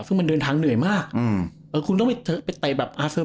ซึ่งมันเดินทางเหนื่อยมากอืมเออคุณต้องไปเตะแบบอาเซอร์